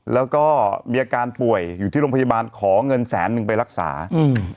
แล้วก็มีอาการป่วยอยู่ที่โรงพยาบาลขอเงินแสนนึงไปรักษาอืม